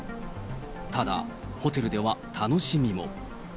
ただ、ホテルでは楽しみも。